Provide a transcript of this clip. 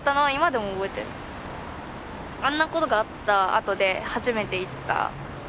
あんなことがあったあとで初めて行った。